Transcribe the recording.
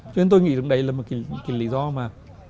cho nên tôi nghĩ rằng đấy là một cái lý do mà